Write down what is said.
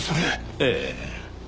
ええ。